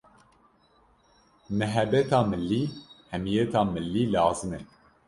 mihebeta millî, hemiyeta millî lazim e.